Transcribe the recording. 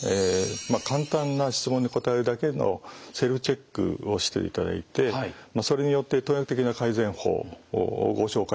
簡単な質問に答えるだけのセルフチェックをしていただいてそれによって東洋医学的な改善法をご紹介したいと思います。